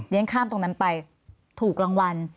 ข้ามตรงนั้นไปถูกรางวัล